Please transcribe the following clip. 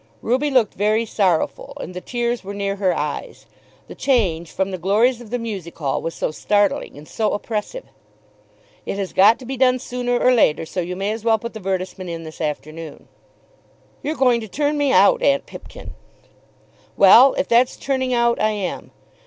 Ruby looked very sorrowful, and the tears were near her eyes. The change from the glories of the music hall was so startling and so oppressive! "It has got to be done sooner or later, so you may as well put the 'vertisement in this afternoon." "You're going to turn me out, Aunt Pipkin." "Well; if that's turning out, I am.